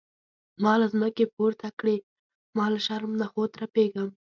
ما له ځمکې پورته کړي ما له شرم نخوت رپیږم.